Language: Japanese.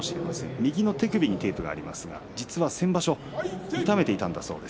右の手首にテープがありますが実は先場所、痛めていたんだそうです。